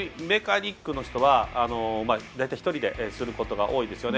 基本的にメカニックの人は大体１人ですることが多いですね。